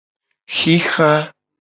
Xixa.